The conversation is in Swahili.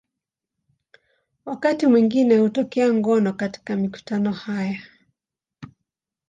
Wakati mwingine hutokea ngono katika mikutano haya.